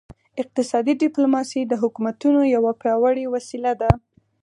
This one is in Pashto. اقتصادي ډیپلوماسي د حکومتونو یوه پیاوړې وسیله ده